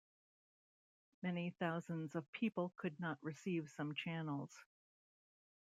Many thousands of people could not receive some channels.